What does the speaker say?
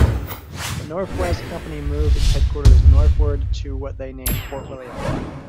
The North West Company moved its headquarters northward to what they named Fort William.